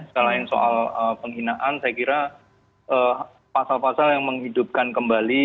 selain soal penghinaan saya kira pasal pasal yang menghidupkan kembali